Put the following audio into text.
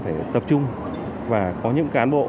phải tập trung và có những cán bộ